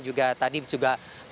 juga tadi juga